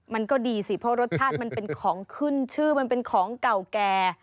มันก็ดีสิเพราะรสชาติมันเป็นของขึ้นชื่อมันเป็นของเก่าแก่